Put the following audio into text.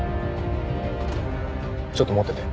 ちょっと持ってて。